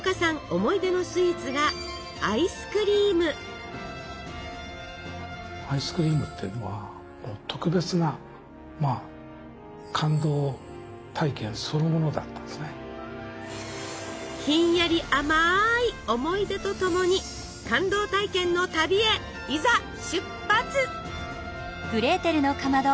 思い出のスイーツがひんやり甘い思い出とともに感動体験の旅へいざ出発！